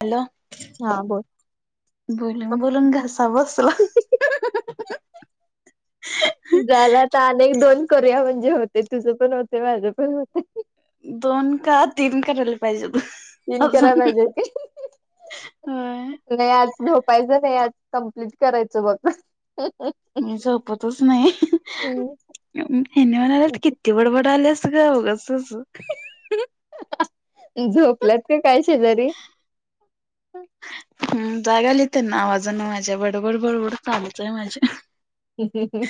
Hello हा बोल. बोलून बोलून घसा बसला. [inaudible] झाला तर अनेक दोन करूया म्हणजे होते तुझं पण होते माझ पण होते. दोन का तीन करायला पाहिजे होतं. तइन कराय पाहिजेत. होय नाय झोपायचं नाही आज कम्प्लीट करायचं बघ. ह हं मी झोपतच नाही, महिनाभरात कित किती बडबडालीस ग, उगचच. झोपल्यात का काय शेजारी? जाग आली त्यांना माझ्या आवाजाने बडबड बडबड चालूच ये. हं हं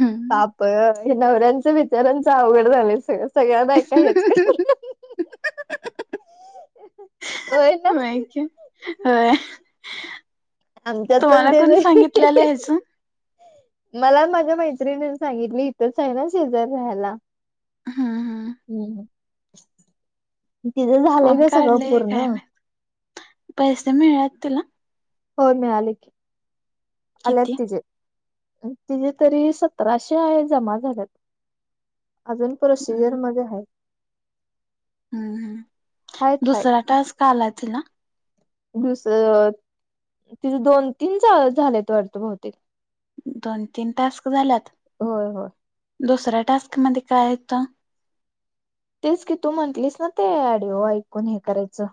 हम्म ताप नवऱ्याचं बिचाऱ्यांचं अवघड झालंय सगळं. सगळ्या बायका हेच हं हं व्हय ना होय की होय. आमच्यात पण तुम्हाला तेच कोण सांगितलेलं हाय. ह्याच हम्म मला माझ्या मैत्रिणी सांगितली इथंच आहे ना शेजार राहायला. हम्म हम्म. तिचं झालय कोण ग सगळं काढलंय पूर्ण, काय झालंय. माहित पैसे मिळालेत तिला? हो मिळाले की आलेत किती तिचे. तिजे तरी सतराशे आहे जमा झाल्यात. अजून हम्म प्रोसिजरमध्ये आहे. हं हं हायत हाय दुसरा टास्क आला तिला आलाय तिला? दुसरं तिचं दोन-तीन झालेत वाटतं बहुतेक दोन-तीन टास्क झाल्यात? होय होय. दुसऱ्या टास्क मध्ये काय आहेत. तेच की तू म्हटलीस ना ते ऐकून हे ऑडिओ ऐकून हे करायचं.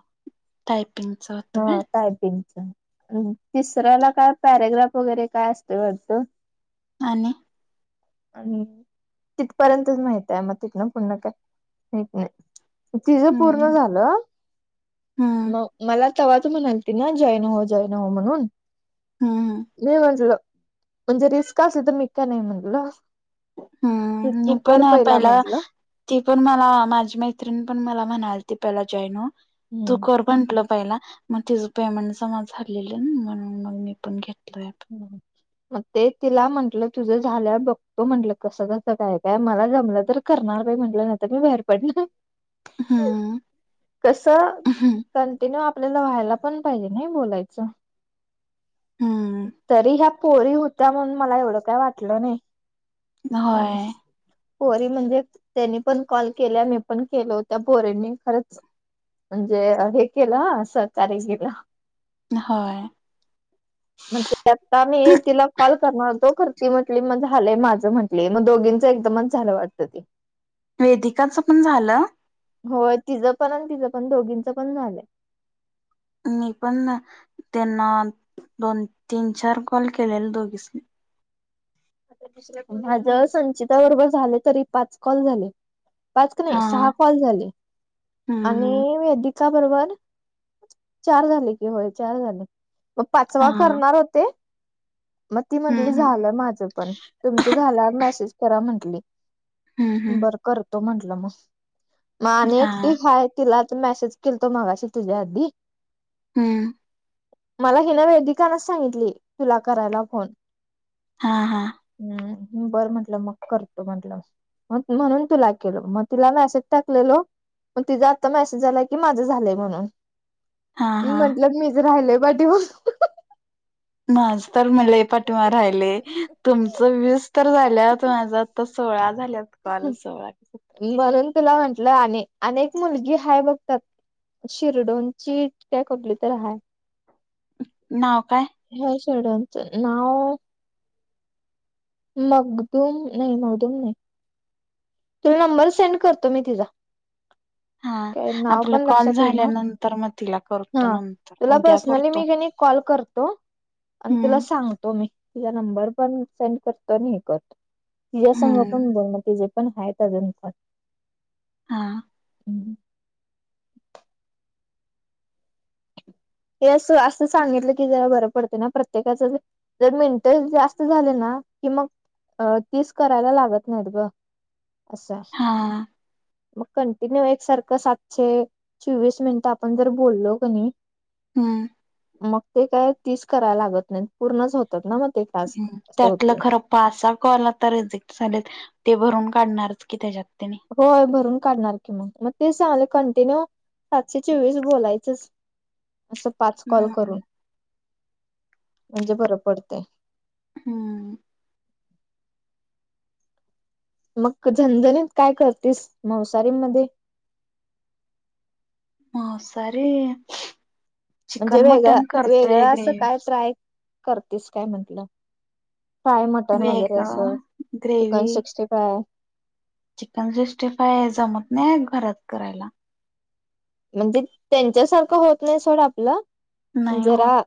टाईपिंगचा होत काय हा टायपिंगच तिसऱ्याला काय पॅरेग्राफ वगैरे काय असतं वाटतं. आणि. आणि तिथपर्यंतच माहित आहे, मग तिथ ना पुढणं काय माहित नाही. तिचं हम्म पूर्ण झालं, हम्म म मला तवा तू म्हणली होती ना, जॉईन हो जॉईन हो म्हणून. हम्म मी म्हणचलो. म्हणजे रिस्क असली तर मीच का नई म्हटलो. हम्म मी पण पहिला. म्हंटलं ती पण मला माझी मैत्रीण पण मला म्हणालती जॉईन हो, तू हम्म. कर म्हटलं पहिला मग तिचं पेमेंट जमा झालेलं, नई म्हणून मग मी पण घेतलय बर. मग ते तिला म्हंटलं तुझं झाल्या बघतो म्हंटलं कसं कसं काय काय, मला जमलं तर करणार बाई म्हटलं नंतर मी बाहेर पडनार हम्म कसं हम्म कंटिन्यू आप आपल्याला व्हायला पण पाहिजे नई बोलायचं. हम्म. तरी ह्या पोरी होत्या म्हणून मला एवढं काय वाटलं नाही, पाणी. होय पोरी म्हणजे त्यांनी पण कॉल केल्या मी पण केलं होत्या पोरीनी खरंच म्हणजे हे केलं असं तरीस घेतलं होय. मग ते आता मी तिला कॉल करणार होतो, खर म्हटली मग झालंय माझं म्हंटली, मग दोघींचं एकदमच. झालं वाटतं ते वेदिकाच पण झालं. होय तिचं पण आणि तिचं पण दोघींचं पण झालंय. मी पण त्यांना दोन तीन चार कॉल केलेल दोघीसनी. माझ संचिता बरोबर झाले, तरी पाच कॉल झाले. पाच क नाही हा सहा कॉल झाले. हम्म, आणि हम्म. वेदिका बरोबर चार झाले कि होय, चार झाले. मग पाचवा हां. करणार होते. मग ती हम्म, म्हंटली हम्म. झालं पण, तुमचं झाल्यावर मेसेज करा म्हंटली. हम्म, हम्म. बरं करतो म्हंटलं मग, मग आणि हां. एकटी हाय तिला एक मेसेज केलतो मगाशी तुझ्या आधी. हम्म. मला हिने वेदिकानेच सांगितली. तुला करायला फोन. हा हा. नाय मी बरं म्हंटलं मग करतो म्हटलं. म्हणून तुला केल मग तिला म असेच टाकलेलो. मग तिचां आत्ता मेसेज आलाय की, माझं झालंय म्हणून. हां, म हां. म्हंटलं मीच राहिलय पाठीवर. माझ तर म लई पाठिमा राहिले तुमच वीस तर झाल्यात माझ. तर सोळा झाल्यात कॉल सोळा म्हणून तुला म्हंटलं, अने अनेक मुलगी हा बघ त्यात. शिरढोणची का कुठली तर हाय. नाव काय? [unintelligible] नाव मगदुम नाही मगदूम नाही. तुल नंबर सेंड करतो मी तिचा. हां. काय नाव आपलं पण कॉल लक्षात येईना झाल्यानंतर मग तिला करतो हा नंतर तुला उद्या पर्सनली करतो. मी कनी कॉल करतो तो आणि तुला हम्म. सांगतो मी तुला नंबर पण सेंड करतो आणि हे कर तिज संघ हम्म. पण बोलण ते जे पण आहे त्याजनंतर हां. [inaudible] [unintelligible] हे अस असं सांगितलं की जरा बरं पडते ना प्रत्येकाचं जर मिनट जास्त झाले ना कि मग अ तीस करायला लागत नाहीत ग असंय. हां. मग कंटिन्यू एकसारखं सातशे चोवीस मिनिटं आपण जर बोललो कणी हम्म. मग ते काय तिस करायला लागत नाही पूर्णच होतात ना मग ते. टास्क हम्म्म असं होते त्यातलं खर पासा कॉल आता रिजेक्ट झालेत ते भरून काढणारच की त्याज्यात त्यांनी. होय भरून काढणार की मंग तेच सांगाले कंटिन्यू पाचशे चोवीस बोलायचंच. असं पाच कॉल हम्म. करून म्हणजे बरं पडतंय. हम्म [unintelligible] मग झणझणीत काय करतेस मावसारी मध्ये? माऊसारी म्हणजे वेगळ वेगळं असं ग्रेवी काय ट्राय करतेस काय म्हंटलं. फाय मटन वगैरे असं वेगळं chicken gravy sixty five. Chicken sixty five जमत नाही घरात करायला. म्हणजे त्यांच्यासारखं होत नाही सोडं आपलं नाही होत जरा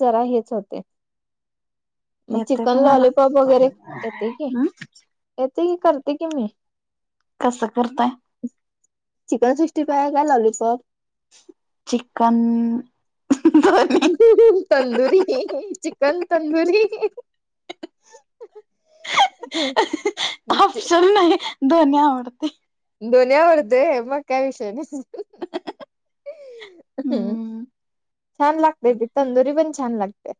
जरा हेच होते. मग येतय चिकन तुम्हाला लॉलीपॉप वगैरे येते की हम् येते की करते की मी. कसं करताय? चिकन सिक्स्टी फाय काय lollipop? Chicken tandoori chicken tandoori. [unintelligible] [unintelligible] Option नाही दोन्ही आवडते. दोन्ही आवडतय मग काय विषय नाही. हम्म छान लागतय ती तंदुरी पण छान लागते.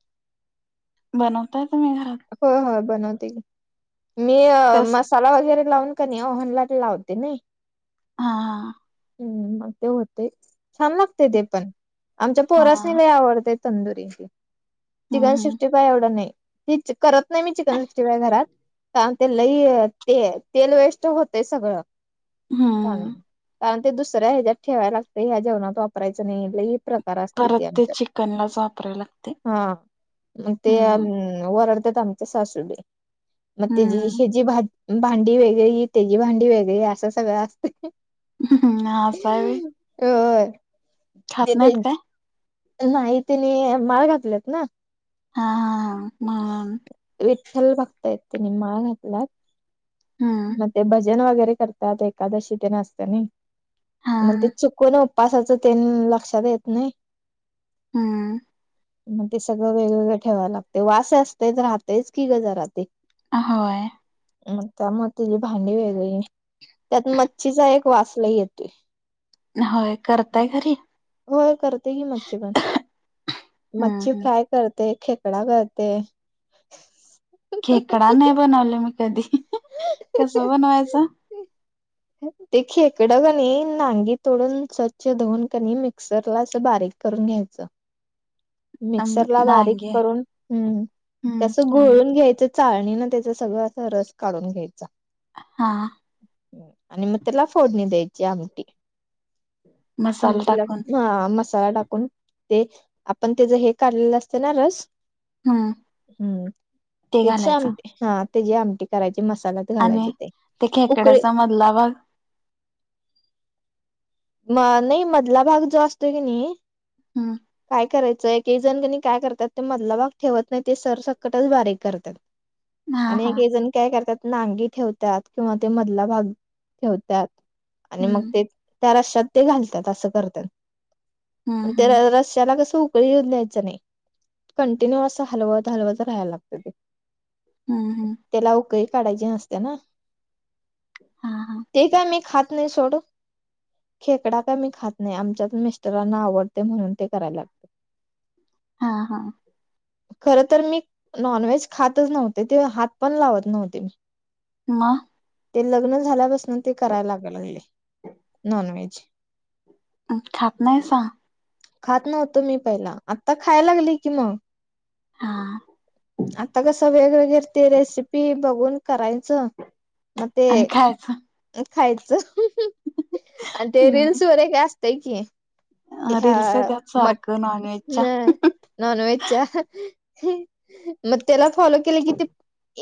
बनवताय तुम्ही घरात? होय होय बनवते कि मी अ कस मस् साला वगैरे लावून का नाही ओहनला लावते नाही. हा हा हा. हम्म मग ते होते छान लागतय ते पण आमच्या हा पोरास्नी लय आवडतंय. तंदुरी ते चिकन हम्म सिक्सटी फाय आवढंत नाही करत नाही मी चिकन सिक्सटी फाय घरात. तान ते लय ते तेल वेस्ट होते सगळं. हम्म्म. कारण ते दुसऱ्या ह्याच्यात ठेवाय लागतंय ह्या जेवणात वापरायचं नाही लई प्रकार अस परत ते चिकनलाच वापराय लागते हां म ते हम्म ओरडतात आमच्या सासूबाई. मग तेजी हम्म हेजी भाजी भांडी वेगळी ह्याची भांडी वेगळी भांडी असं सगळं असतंय. असं हाय व्हय? होय. खात ते ते- नाहीत काय? नाही तेनी माळ घातल्यात ना. हां हां हां. विठ्ठल भक्त आहेत त्यांनी माळ घातल्यात. हम्म मग ते भज भजन वगैरे करतात, एकादशी ते न असते नाही हा मग ते हा चुकून उ पासाचं तेनं लक्षात येत नाही. हम्म. मग ते सगळं वेगवेगळं ठेवायला लागतंय. वास असतंयच राहतेच की गं राहते जरा ते. होय. मंगत्यामुळे त्याजि भांडी वेगळी त्यात मच्छीचा एक वास लय येतोय. होय करताय घरी? होय करते की मच्छी पण हम्म मच्छी हम्म फ्राय करते, खेकडा करते. खेकडा नाय बनवलाय मी कधी कसा? बनवायचा. ह. ते खेकडं क नाही, नांगी तोडून स्वच्छ धुऊून का नई मिक्सरला असं बारीक करून घ्यायचं. अम, मिक्सर ला बारीक डांगे करून हम्म ते हम्म सस आणि घोळून घ्यायचं चाळणीनं त्याचं सगळं अस रस काढून घ्यायचा. हां हां. आणि म त्याला फोडणी द्यायची आमटी. मसाला आमटीला हा टाकून मस् मसाला टाकून ते आपण त्याच हे काढलेलं असते ना रस. हम्म हम्म, ते तेची घालायचं आमटी? हा त्याची आमटी करायची मसाला घालायचं आणि ते. उकळी मधला भाग. म नाही मधला भाग जो असतो कीनी हम्म काय करायचं. एक एक जण का नाही काय करतात? ते मधला भाग ठेवत नाहीत, ते सर सकटच बारीक करत्यात. हा आणि हा एक एक जण काय करतात नांगीग ठेवतात किंवा ते मधला भाग ठेवतात आणि मग हम्म ते- त्या रश्यात ते घालतात असं करतात, हम्म हम्म रश्याला कस उकळी येऊन द्यायचं नाही कंटिन्यू असं हलवत, हलवत राहायला लागतं ते. हम्म हम्म. त्याला उकळी काढायची नसते. ना हा हा ते काय मी खात नाही सोड. खेकडा काय मी खात नाही आमच्यात मिस्टरांना ते आवडतय म्हणून ते कराय लागत हा हा. खर तर मी नॉनव्हेज खातच नव्हते, ते हात पण लावत नव्हते मी. म? ते लग्न झाल्यापासनं ते कराय लागाय लागलंय. नॉनव्हेज. खात नाहीसां? खात नव्हतो मी पहिला आता खायला लागले की मग. हा आता कसं वेगवेगर ते रेसिपी बघून करायचं. मग ते आणि खायचं खायच आणि ते हम्म रीलल्स वगैरे काय असतंय की. ह्या रील्स येत्यात सारखं नॉनव्हेजच्या मटना नॉन व्हेजच्या मग त्याला फॉलो केले कि ते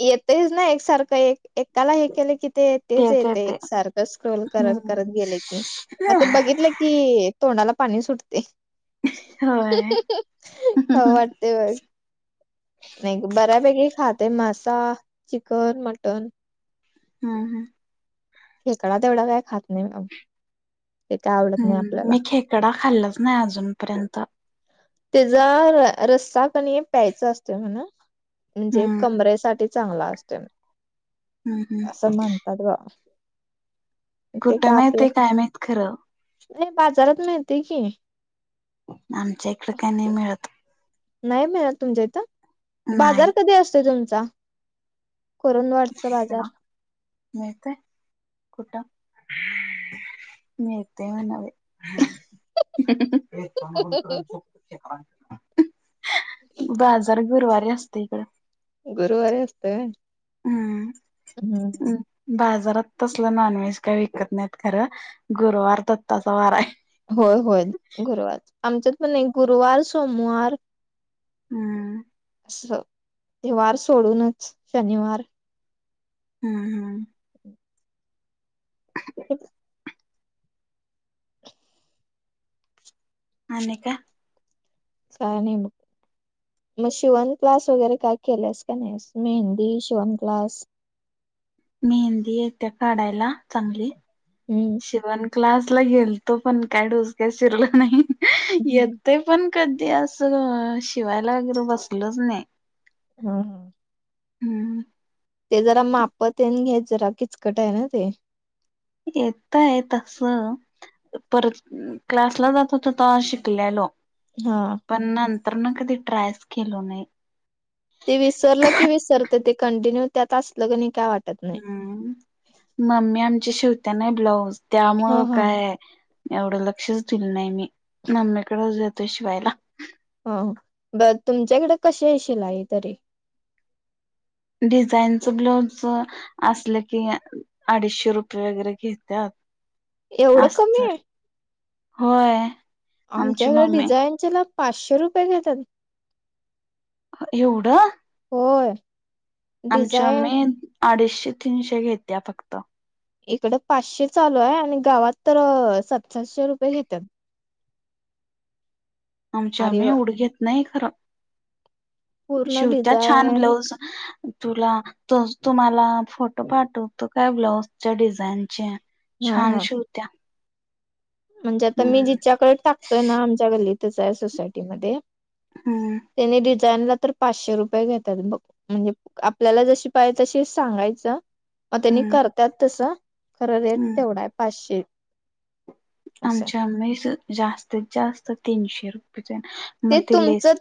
येतयच ना एकसारखं एक एकाला हे केलं की ते तेच येते एक सारखं स्क्रोल करत हम्म करत गेले की मग ते बघितले क कि तोंडाला पाणी सुटते. होय. ते व [unintelligible] नाही ग बऱ्यापैकी खाते मासा, चिकन, मटन. हम् हम. खेकडा तेवढा काय खात नाही ते काय आवडत नाही हम्म आपल्याला. मी खेकडा खाल्लाच नाही अजूनपर्यंत. तेचा र रसा कनी प्यायचा असतोय म्हण म्हणजे हम्म कमरेसाठी चांगला असतोय हम्म हम्म असं म्हणतात बा. ते कुठ काय आपल्या मिळतय काय माहित खरं. नाही बाजारात मिळतय की. आमच्या इकड काही नाही मिळत. नाही मिळत तुमच्या इथं, बाजार नाही कधी असते तुमचा? कुरुंदवाडचा बाजार. होय काय कुठ? मिळतय मन बाई. बाजार गुरुवारी असते इकड. गुरुवारी असतोय होय? हम ह. बाजारात तसलं नॉनव्हेज काय विकत नाहीत खरं गुरुवार दत्ताचा वार आहे. होय होय गुरुवार आमच्यात पण नाही गुरुवार सोमवार हम्म. अस हे वार सोडूनच शनिवार हम्म. हम्म क [unintelligible] आणि काय? काय नाही बग. मग शिवण क्लास वगैरे काय केलेस का नाही मेहंदी, शिवण क्लास मेहंदी येत्या काढायला चांगली. हम्. शेवण क्लासला गेलतो पण काय डोसक्यात शिरला नाही हम्म येतय पण कधी असं शिवायला वैगैरे बसलोच नाही. ह. हम्म ते जरा माप तेन घ्याच जरा किचकट आहे ना ते. येतय तस. परत क्लासला जात होतो तवा शिकलेलो. हा. पण नंतरन कधी ट्रायच केलो नाही. ते विसरलं की विसरते ते कंटिन्यू त्यात असल कनी काय वाटत नाही. ह मम्मी आमची शिवते ना ब्लाऊज त्यामुळ हा हा. काय एवढं लक्षच दिलं नाही मी मम्मीकडेच देतो शिवायला. हा बर तुमच्याकडे कशीआहे शीलाई आहे तरी? डिझाईनचं ब्लाऊज असलं की अडीचशे रुपये वगैरे घेतात. एवढं कमी अस्तर आहे होय. आमची आमच्याकडे मम्मी डिझाईन चेला पाचशे रुपये घेतात. एवढं? होय. आमच्या डिझाईन मम्मी अडीचशे तीनशे घेत्या फक्त. इकडे पाचशे चालू हाय आणि गावात तर सात सातशे रुपये घेतात. आमची अरे मम्मी वा येवड घेत नाही खरं. पूर्ण शिवत्या छान डिझाईन ब्लाऊज तुला तो तुम्हाला फोटो पाठवतो काय ब्लाऊजच्या डिझाईनचे. हा छान हा. शिवत्यां. म्हणजे आता मी जिच्याकडे टाकतोय ना आमच्या गल्लीतच आहे सोसायटीमध्ये. हम्म. त्यांनी डिझाईन ला तर पाचशे रुपये घेतात बघ. म्हणजे आपल्याला जशी पाय जे तशे सांगायचं. मग त्यांनी हम्म करतात तसं खरं रेट हम्म तेवढा आहे पाचशे. असं आहे आमच्या मिस जास्तीत जास्त तीनशे रुपयाच्या ते मध्ये तुमचं लेस